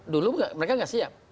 dulu mereka nggak siap